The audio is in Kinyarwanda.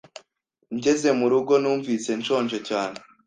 Ngeze mu rugo, numvise nshonje cyane.